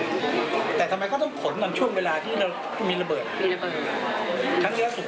ดังนั้นต้องการพยากลงซักจักรรมเพื่อยาหนีไปแค่วันไหร่